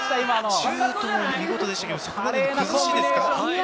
シュートも見事でしたけど、そこまでの崩しですか。